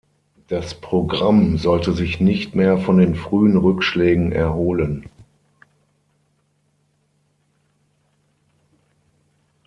Das Programm sollte sich nicht mehr von den frühen Rückschlägen erholen.